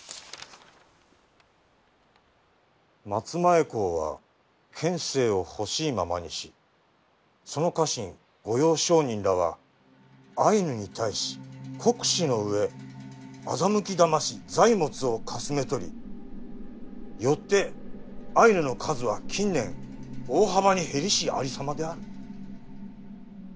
「松前公は権勢を欲しいままにしその家臣御用商人らはアイヌに対し酷使のうえ欺きだまし財物をかすめ取りよってアイヌの数は近年大幅に減りしありさまである」。